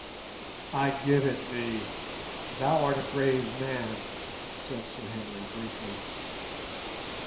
"I give it thee; thou art a brave man," said Sir Henry, briefly.